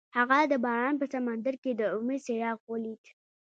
هغه د باران په سمندر کې د امید څراغ ولید.